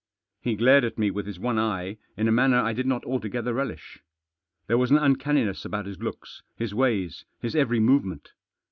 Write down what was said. He glared at me with his one eye in a manner I did not altogether relish. There was an uncanniness. about his looks, his ways, his every movement.